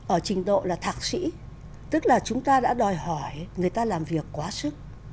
ở trình độ là thạc sĩ tức là chúng ta đã đòi hỏi người ta làm việc quá sức